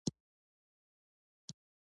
علم د ذهنونو د پراختیا وسیله ده.